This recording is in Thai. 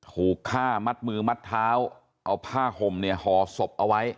ถูกฆ่ามัดมือมัดเท้าเอาผ้าห่มเนี่ยห่อศพเอาไว้